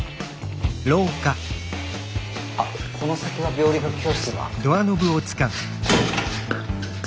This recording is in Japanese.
あっこの先が病理学教室だ。